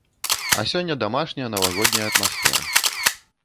А сёння дамашняя, навагодняя атмасфера.